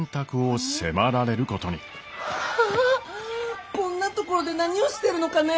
ああっこんな所で何をしてるのかね？